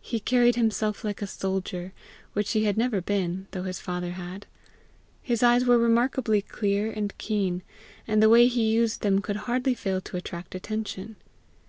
He carried himself like a soldier which he had never been, though his father had. His eyes were remarkably clear and keen, and the way he used them could hardly fail to attract attention.